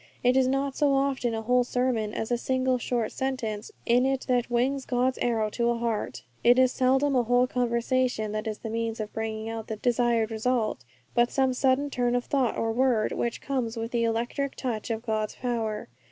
It is not so often a whole sermon as a single short sentence in it that wings God's arrow to a heart. It is seldom a whole conversation that is the means of bringing about the desired result, but some sudden turn of thought or word, which comes with the electric touch of God's power.